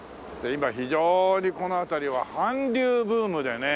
今非常にこの辺りは韓流ブームでね。